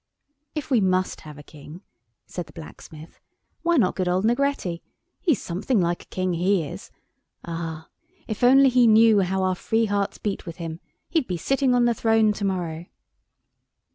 "If we must have a king," said the blacksmith, "why not good old Negretti? He's something like a king, he is! Ah! if he only knew how our free hearts beat with him, he'd be sitting on the throne to morrow."